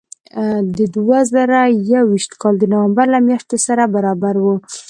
د دوه زره یو ویشت کال د نوامبر له شپږمې سره برابر و.